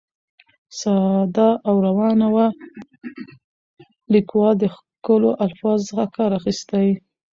ساده او روانه وه، ليکوال د ښکلو الفاظو څخه کار اخیستى.